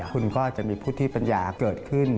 คุณก็จะมีพุทธิปัญญาเกิดขึ้น